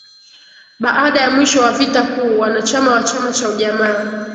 Baada ya mwisho wa vita kuu wanachama wa chama cha Ujamaa